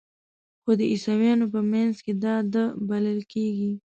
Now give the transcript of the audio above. خو د عیسویانو په منځ کې دا د بلل کیږي.